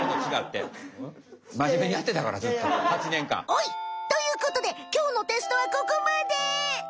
おい！ということできょうのテストはここまで！